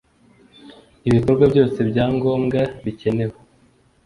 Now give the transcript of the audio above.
ibikorwa byose bya ngombwa bikenewe